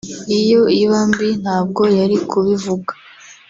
iyo iba mbi ntabwo yari kubivuga